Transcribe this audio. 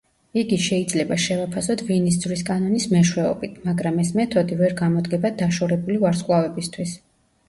იგი შეიძლება შევაფასოთ ვინის ძვრის კანონის მეშვეობით, მაგრამ ეს მეთოდი ვერ გამოდგება დაშორებული ვარსკვლავებისთვის.